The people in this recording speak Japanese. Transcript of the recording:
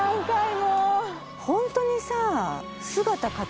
ホントにさ姿形